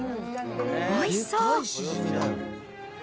おいしそう。